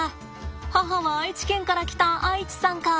母は愛知県から来たアイチさんか。